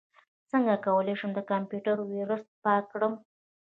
څنګه کولی شم د کمپیوټر ویروس پاک کړم